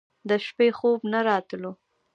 د شپې خوب نه راتلو.